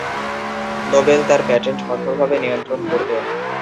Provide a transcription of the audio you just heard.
Nobel তার patent কঠোর ভাবে নিয়ন্ত্রণ করতেন।